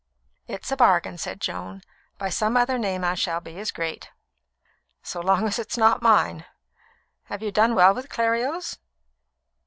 "It's a bargain," said Joan. "By some other name I shall be as great." "So long as it's not mine. Have you done well with Clerios?"